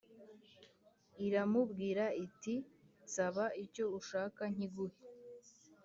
iramubwira iti Nsaba icyo ushaka nkiguhe